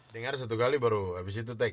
dengar satu kali baru habis itu take